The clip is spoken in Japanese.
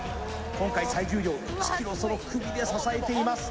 今回最重量１ｋｇをその首で支えています